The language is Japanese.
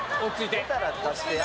出たら出してや。